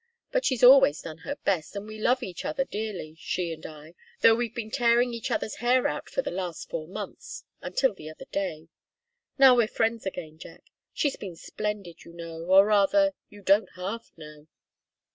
But she's always done her best, and we love each other dearly, she and I, though we've been tearing each other's hair out for the last four months until the other day. Now we're friends again, Jack; she's been splendid, you know, or rather, you don't half know!"